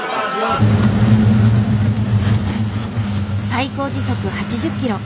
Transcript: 最高時速８０キロ。